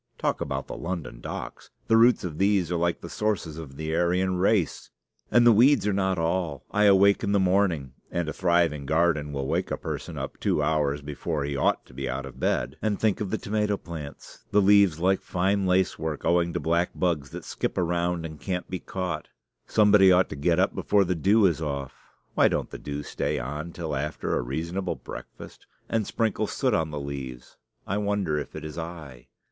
Talk about the London docks! the roots of these are like the sources of the Aryan race. And the weeds are not all. I awake in the morning (and a thriving garden will wake a person up two hours before he ought to be out of bed) and think of the tomato plants the leaves like fine lace work, owing to black bugs that skip around and can't be caught. Somebody ought to get up before the dew is off (why don't the dew stay on till after a reasonable breakfast?) and sprinkle soot on the leaves. I wonder if it is I.